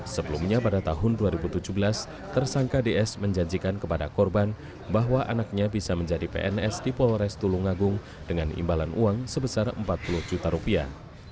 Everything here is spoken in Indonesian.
sebelumnya pada tahun dua ribu tujuh belas tersangka ds menjanjikan kepada korban bahwa anaknya bisa menjadi pns di polres tulungagung dengan imbalan uang sebesar empat puluh juta rupiah